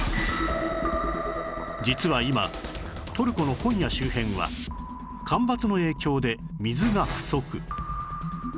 実は今トルコのコンヤ周辺は干ばつの影響で水が不足